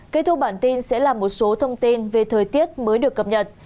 kết thúc bản tin sẽ là một số thông tin về thời tiết mới được cập nhật